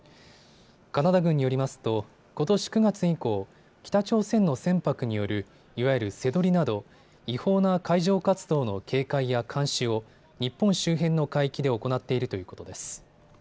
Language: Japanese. カナダ軍によりますとことし９月以降、北朝鮮の船舶による、いわゆる瀬取りなど違法な海上活動の警戒や監視を日本周辺の海域で行っているということです。